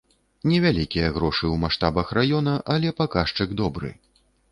Невялікія грошы ў маштабах раёна, але паказчык добры.